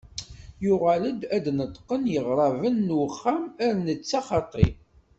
Yuɣal ad d-neṭqen yiɣraben n uxxam ar netta xaṭi.